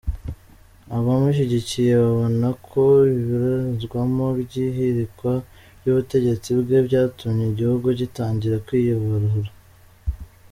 Abamushyigikiye babona ko iburizwamo ry'ihirikwa ry'ubutegetsi bwe byatumye igihugu gitangira kwiyuburura.